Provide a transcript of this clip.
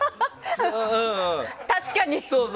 確かに。